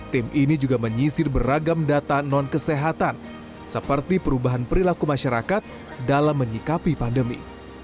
tim ini juga menyisir beragam data non kesehatan seperti perubahan perilaku masyarakat dalam menyikapi pandemi